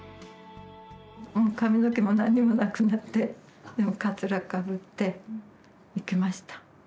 もう髪の毛も何にもなくなってかつらかぶって行きました。